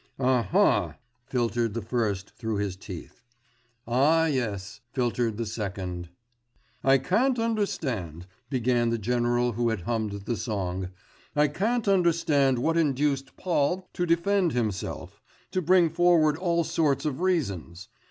'Aha!' filtered the first through his teeth. 'Ah, yes,' filtered the second. 'I can't understand,' began the general who had hummed the song, 'I can't understand what induced Paul to defend himself to bring forward all sorts of reasons.